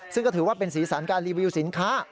ซึ่งก็ถือว่าเป็นสีสันการรีวิวสินค้า